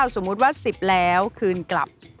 สมมุติว่า๑๐แล้วคืนกลับ